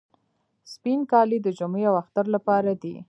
سپین کالي د جمعې او اختر لپاره دي.